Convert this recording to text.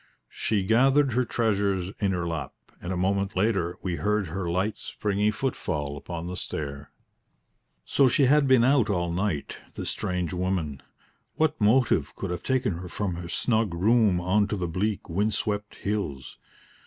She gathered her treasures in her lap, and a moment later we heard her light, springy footfall upon the stair. So she had been out all night, this strange woman. What motive could have taken her from her snug room on to the bleak, wind swept hills?